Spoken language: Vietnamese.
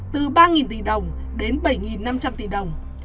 từ ba tỷ đồng đến bảy năm trăm linh tỷ đồng